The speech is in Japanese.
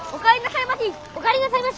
お帰りなさいまし！